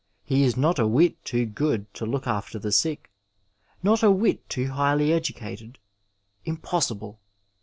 He is not a whit too good to look after the sick, not a whit too highly educated — impossible